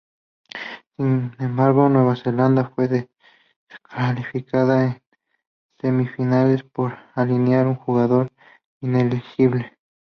Sin embargo, Nueva Zelanda fue descalificada en semifinales por alinear un jugador inelegible.